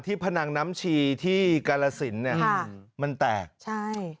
ที่พนังน้ำชีที่กรสินเนี่ยมันแตกใช่